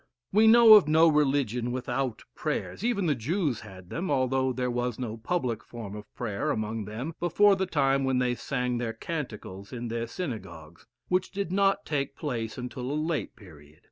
We know of no religion without prayers; even the Jews had them, although there was no public form of prayer among them before the time when they sang their canticles in their synagogues, which did not take place until a late period.